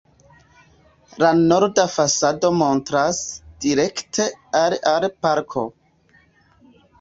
La norda fasado montras direkte al al parko.